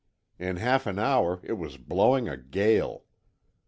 In half an hour it was blowing a gale.